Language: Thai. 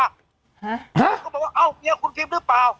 เขาบอกว่าเอ้าเนี่ยคุณผิมรึเปล่า